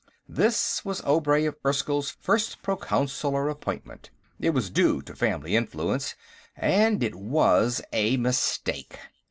This was Obray of Erskyll's first proconsular appointment, it was due to family influence, and it was a mistake.